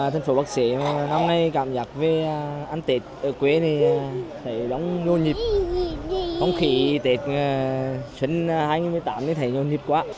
tết ở quê thì thấy đông nhộn nhịp không khí tết xuân hai mươi tám thì thấy nhộn nhịp quá